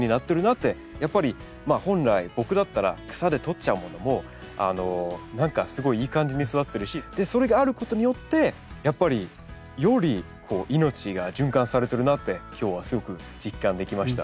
やっぱり本来僕だったら草で取っちゃうものも何かすごいいい感じに育ってるしそれがあることによってやっぱりより命が循環されてるなって今日はすごく実感できました。